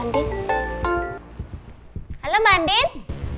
tunggu dulu hampir telfon aja